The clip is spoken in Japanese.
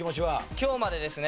今日までですね